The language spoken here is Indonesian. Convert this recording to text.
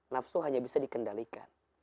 nafsu hanya bisa dikendalikan